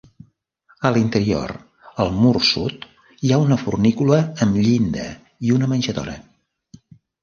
A l'interior, al mur sud, hi ha una fornícula amb llinda i una menjadora.